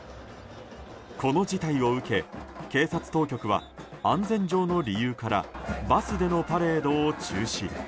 この事態を受け、警察当局は安全上の理由からバスでのパレードを中止。